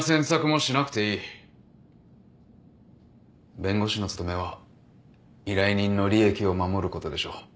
弁護士の務めは依頼人の利益を守ることでしょ。